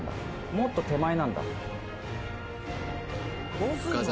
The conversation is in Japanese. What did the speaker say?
もっと手前なんだ深澤